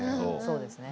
そうですね。